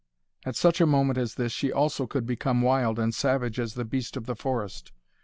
At such a moment as this she also could become wild and savage as the beast of the forest.